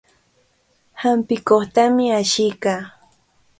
Hampikuqtami ashiykaa.